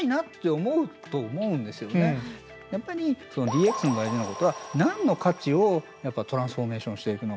やっぱりＤＸの大事なことは何の価値をトランスフォーメーションしていくのか。